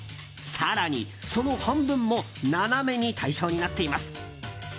更に、その半分も斜めに対称になっています。